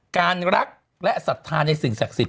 รักและศรัทธาในสิ่งศักดิ์สิทธ